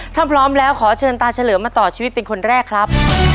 ถ้าพร้อมแล้วขอเชิญตาเฉลิมมาต่อชีวิตเป็นคนแรกครับ